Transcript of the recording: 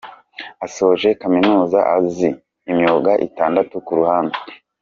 Asoje kaminuza azi imyuga itandatu ku ruhande.